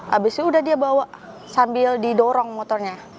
habis itu udah dia bawa sambil didorong motornya